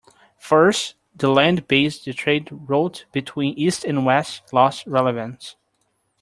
First, the land based trade route between east and west lost relevance.